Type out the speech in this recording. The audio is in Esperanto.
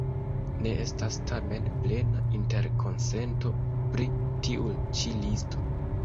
Ne estas tamen plena interkonsento pri tiu ĉi listo.